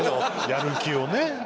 やる気をね。